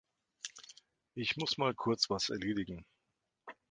Ich muss mal kurz was erledigen.